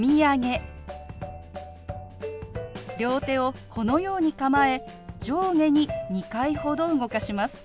両手をこのように構え上下に２回ほど動かします。